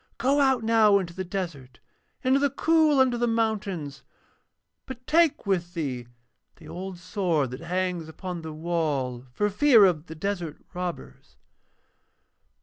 Go out now into the desert, into the cool under the mountains, but take with thee the old sword that hangs upon the wall for fear of the desert robbers.'